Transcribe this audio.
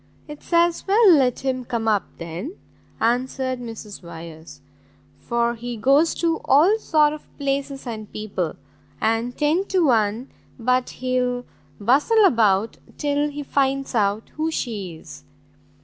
"It's as well let him come up, then," answered Mrs Wyers, "for he goes to all sort of places and people, and ten to one but he'll bustle about till he finds out who she is."